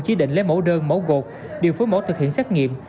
chỉ định lấy mẫu đơn mẫu gột điều phối mẫu thực hiện xét nghiệm